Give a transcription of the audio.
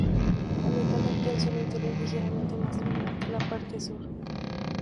La mitad norte del suelo interior es ligeramente más irregular que la parte sur.